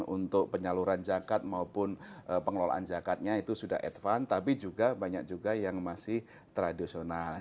untuk penyaluran zakat maupun pengelolaan zakatnya itu sudah advance tapi juga banyak juga yang masih tradisional